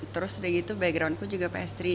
terus setelah itu background ku juga pastry